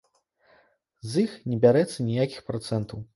З іх не бярэцца ніякіх працэнтаў.